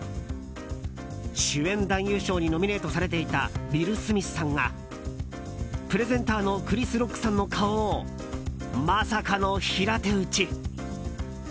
主演男優賞にノミネートされていたウィル・スミスさんがプレゼンターのクリス・ロックさんの顔をまさかの平手打ち。